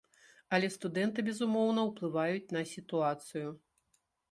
Але студэнты, безумоўна, уплываюць на сітуацыю.